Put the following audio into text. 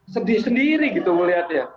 sedih sendiri gitu melihatnya